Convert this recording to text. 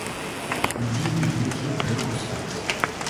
Il dirige l'équipe Lokosphinx.